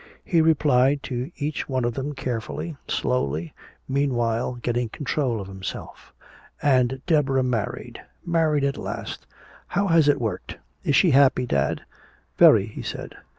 He replied to each one of them carefully, slowly, meanwhile getting control of himself. "And Deborah married married at last! How has it worked? Is she happy, dad?" "Very," he said.